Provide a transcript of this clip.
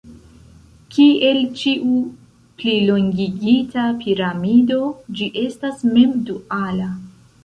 Kiel ĉiu plilongigita piramido, ĝi estas mem-duala.